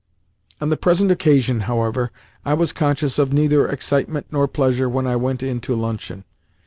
On the present occasion, however, I was conscious of neither excitement nor pleasure when I went in to luncheon.